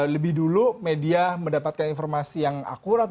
lebih dulu media mendapatkan informasi yang akurat